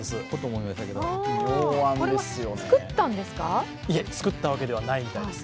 いえ、作ったわけではないみたいです。